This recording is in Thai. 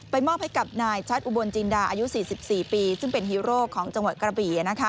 มอบให้กับนายชัดอุบลจินดาอายุ๔๔ปีซึ่งเป็นฮีโร่ของจังหวัดกระบี่